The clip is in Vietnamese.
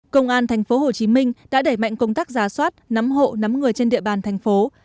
công an tp hcm đã đẩy mạnh công tác giá soát nắm hộ nắm người trên địa bàn thành phố